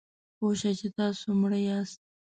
پوه شئ چې تاسو مړه یاست .